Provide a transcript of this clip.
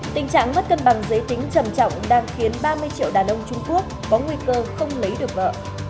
tình trạng mất cân bằng giới tính chầm trọng đang khiến ba mươi triệu đàn ông trung quốc có nguy cơ không lấy được vợ